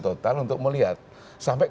total untuk melihat sampai